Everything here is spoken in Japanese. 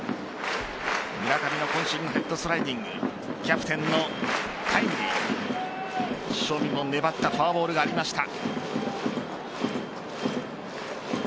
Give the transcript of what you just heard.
村上の渾身のヘッドスライディングキャプテンのタイムリー塩見も粘ったフォアボールがありました。